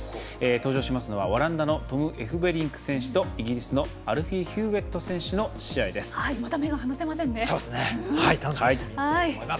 登場しますのはオランダのトム・エフベリンク選手とイギリスのアルフィー・ヒューウェット選手の試合です。